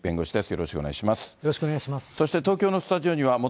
よろしくお願いします。